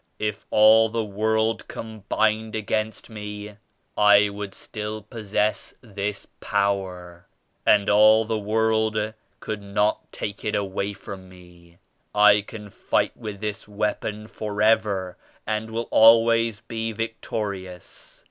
If all the world com bined against me I would still possess this power and all the world could not take it away from me. I can fight with this weapon forever and will always be victorious.